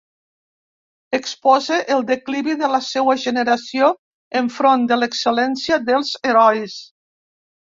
Expose el declivi de la seua generació enfront de l'excel·lència dels herois.